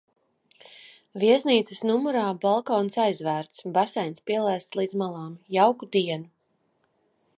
Viesnīcas numurā balkons aizvērts. Baseins pielaists līdz malām. Jauku dienu!